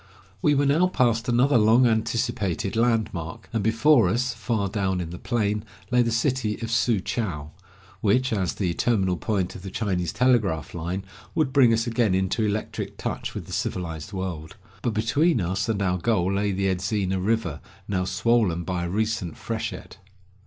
We were now past another long anticipated land mark, and before us, far down in the plain, lay the city of Su chou, which, as the terminal point of the Chinese telegraph line, would bring us again into electric touch with the civilized world. But between us and our goal lay the Edzina river, now swollen by a recent freshet.